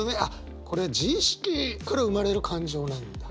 これ自意識から生まれる感情なんだ。